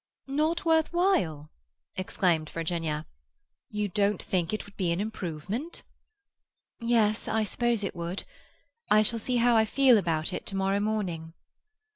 "Not worth while?" exclaimed Virginia. "You don't think it would be an improvement?" "Yes, I suppose it would. I shall see how I feel about it to morrow morning."